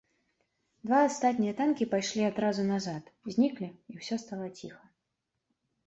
Два астатнія танкі пайшлі адразу назад, зніклі, і ўсё стала ціха.